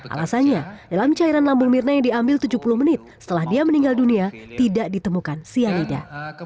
alasannya dalam cairan lambung mirna yang diambil tujuh puluh menit setelah dia meninggal dunia tidak ditemukan cyanida